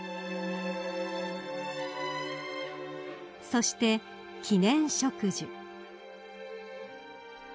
［そして記念植樹］